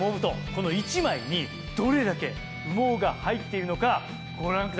この１枚にどれだけ羽毛が入っているのかご覧ください。